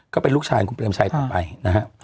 ก็เป็นลูกชายของคุณเปรมชัยต่อไปนะฮะ